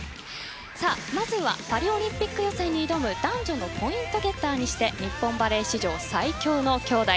まずはパリオリンピック予選に挑む男女のポイントゲッターにして日本バレー史上最強の兄妹